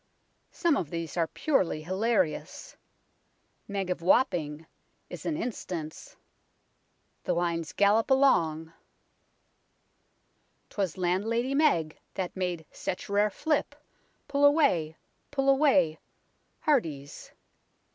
Some of these are purely hilarious. " Meg of Wapping " is an instance ; the lines gallop along " 'Twas Landlady Meg that made such rare flip Pull away, pull away, hearties